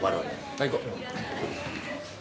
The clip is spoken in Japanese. はい行こう。